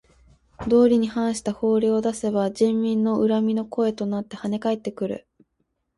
道理に反した法令を出せば人民の恨みの声となってはね返ってくる。